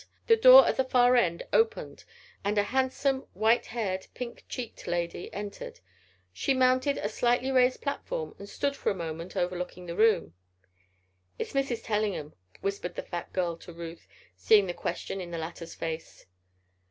The door at the far end opened and a handsome, white haired, pink cheeked lady entered. She mounted a slightly raised platform and stood for a moment overlooking the room. "It's Mrs. Tellingham," whispered the fat girl to Ruth, seeing the question in the latter's face.